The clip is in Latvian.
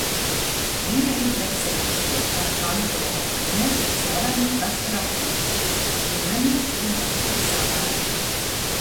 Viņa ir precējusies ar handbola treneri Zoranu Kastratoviču, ģimenē ir meita Sāra.